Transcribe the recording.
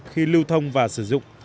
khi lưu thông và sử dụng